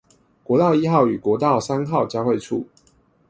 國道一號與國道三號交會處